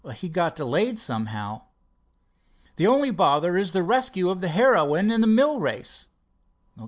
"He's got delayed somehow." "The only bother is the rescue of the heroine in the mill race."